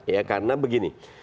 ya karena begini